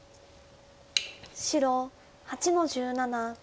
白８の十七取り。